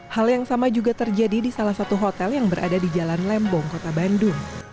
hal yang sama juga terjadi di salah satu hotel yang berada di jalan lembong kota bandung